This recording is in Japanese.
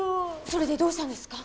それでどうしたんですか？